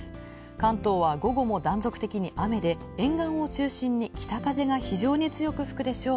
関東は午後も断続的に雨で、沿岸を中心に北風が非常に強く吹くでしょう。